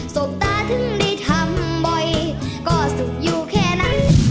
บตาถึงได้ทำบ่อยก็สุขอยู่แค่นั้น